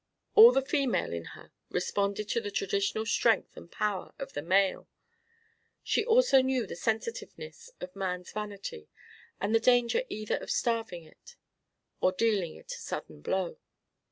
All the female in her responded to the traditional strength and power of the male. She also knew the sensitiveness of man's vanity and the danger either of starving it or dealing it a sudden blow.